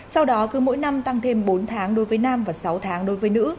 sau đó cứ mỗi năm tăng thêm bốn tháng đối với nam và sáu tháng đối với nữ